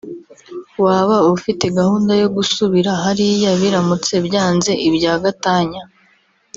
waba ufite gahunda yo gusubira hariya biramutse byanzeibya gatanya